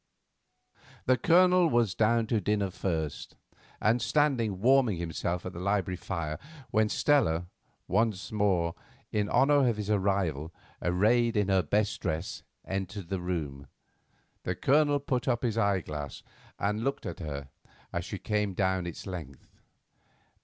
The Colonel was down to dinner first, and standing warming himself at the library fire when Stella, once more in honour of his arrival arrayed in her best dress, entered the room. The Colonel put up his eyeglass and looked at her as she came down its length.